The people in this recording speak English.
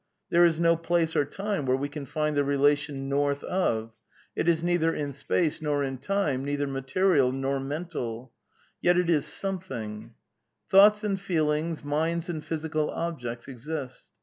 There is no place or time where we can find the relation ' north of.' ... It is neither in space nor in time, neither material nor mental; yet it is something "■]■ ''Thoughts and feelings, minds and physical objects exist.